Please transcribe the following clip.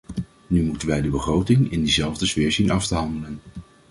Nu moeten wij de begroting in diezelfde sfeer zien af te handelen.